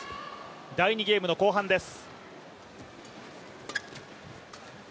第２ゲームの後半です。